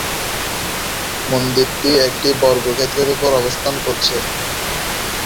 মন্দিরটি একটি বর্গক্ষেত্রের উপর অবস্থান করছে।